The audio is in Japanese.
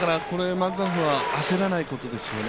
マクガフは焦らないことですよね。